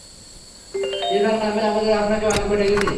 ইরফান আহমেদ, আমরা আপনাকে অনেকবার ডেকেছি।